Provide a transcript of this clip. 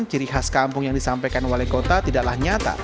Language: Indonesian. ciri khas kampung yang disampaikan wali kota tidaklah nyata